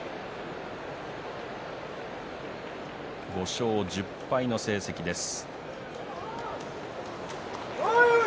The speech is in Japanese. ５勝１０敗の成績です。